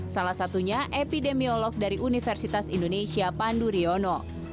salah satunya epidemiolog dari universitas indonesia pandu riono